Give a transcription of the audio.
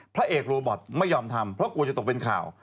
พระเอกโรบอตไม่ยอมทำเพราะกลัวจะตกเป็นข่าว